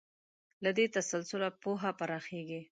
له دې تسلسله پوهه پراخېږي.